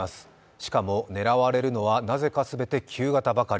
しかも狙われるのは、なぜか旧型ばかり。